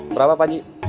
berapa pak haji